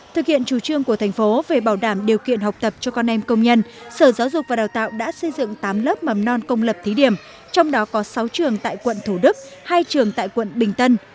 thực hiện chủ trương của thành phố về bảo đảm điều kiện học tập cho con em công nhân sở giáo dục và đào tạo đã xây dựng tám lớp mầm non công lập thí điểm trong đó có sáu trường tại quận thủ đức hai trường tại quận bình tân